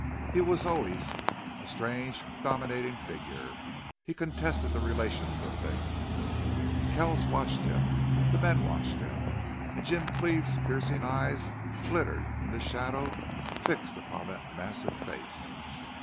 He was always a strange, dominating figure. He contested the relations of things. Kells watched him the men watched him and Jim Cleve's piercing eyes glittered in the shadow, fixed upon that massive face.